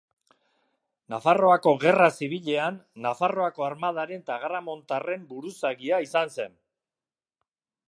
Nafarroako Gerra Zibilean Nafarroako armadaren eta agaramontarren buruzagia izan zen.